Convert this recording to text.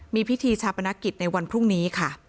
มีพิธีชาปนกิจในวันพรุ่งนี้ค่ะ